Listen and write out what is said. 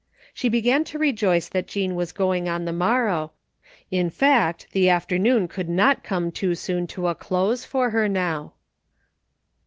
She began to rejoice that Jean was going on the morrow ; in fact, the afternoon could not come too soon to a close for her now.